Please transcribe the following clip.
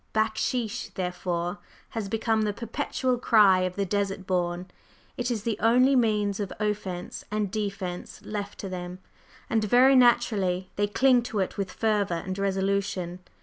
"Backsheesh," therefore, has become the perpetual cry of the Desert Born, it is the only means of offence and defence left to them, and very naturally they cling to it with fervor and resolution.